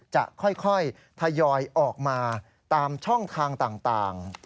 จะค่อยทยอยออกมาตามช่องทางต่าง